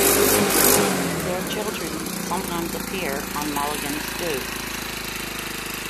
Their children sometimes appear on "Mulligan Stew".